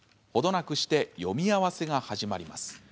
なくして読み合わせが始まります。